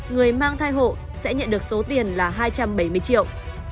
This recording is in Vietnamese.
người mang thai hộ sẽ nhận được số tiền là hai trăm bảy mươi triệu